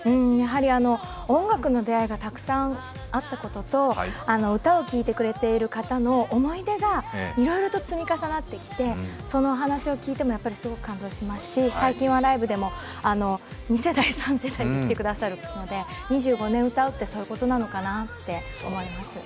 音楽の出会いがたくさんあったことと、歌を聴いてくれている方の思い出がいろいろと積み重なってきて、その話を聞いても、すごく感動しますし最近はライブでも、２世代、３世代で来てくださるので２５年歌うって、そういうことなのかなって思います。